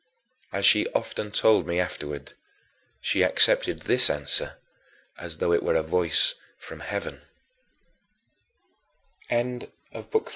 As she often told me afterward, she accepted this answer as though it were a voice from heaven.